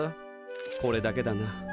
これだけだな。